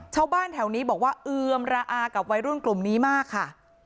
ชาวบ้านแถวนี้บอกว่าเอือมระอากับวัยรุ่นกลุ่มนี้มากค่ะ